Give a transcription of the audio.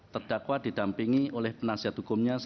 terdakwa didampingi oleh penasihat hukumnya